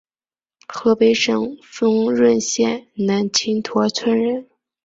河北省丰润县南青坨村人。